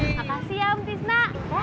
makasih ya om fisna